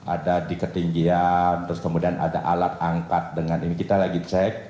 ada di ketinggian kemudian ada alat angkat kita lagi cek